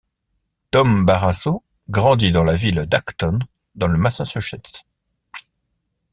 Tom Barrasso grandit dans la ville d’Acton dans le Massachusetts.